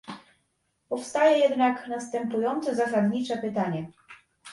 Powstaje jednak następujące zasadnicze pytanie